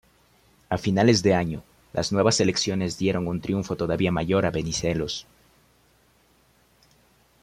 A finales de año, las nuevas elecciones dieron un triunfo todavía mayor a Venizelos.